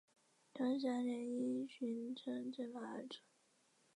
崇祯十三年因巡城坠马而卒。